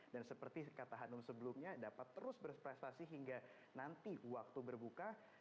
dan seperti kata hanum sebelumnya dapat terus berprestasi hingga nanti waktu berbuka